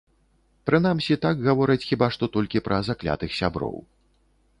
Прынамсі так гавораць хіба што толькі пра заклятых сяброў.